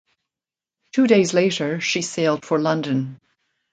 Two days later she sailed for London.